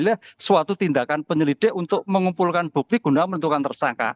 ini adalah suatu tindakan penyelidik untuk mengumpulkan bukti guna menentukan tersangka